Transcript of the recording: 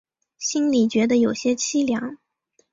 心里觉得有点凄凉